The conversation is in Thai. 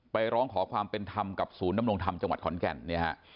ร้องขอความเป็นธรรมกับศูนย์นำรงธรรมจังหวัดขอนแก่นเนี่ยฮะ